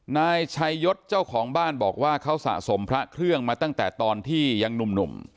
นายชัยยศเจ้าของบ้านบอกว่าเขาสะสมพระเครื่องมาตั้งแต่ตอนที่ยังหนุ่ม